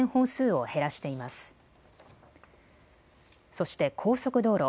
そして高速道路。